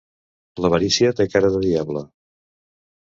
L'avarícia té cara de diable.